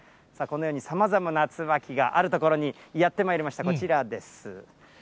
このようにさまざまなツバキがある所にやってまいりました、こちらです。